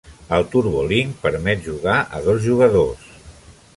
El "TurboLink" permet jugar a dos jugadors.